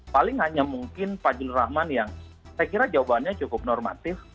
paling hanya mungkin pak jul rahman yang saya kira jawabannya cukup normatif